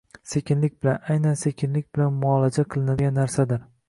sekinlik bilan, aynan sekinlik bilan muolaja qilinadigan narsadir.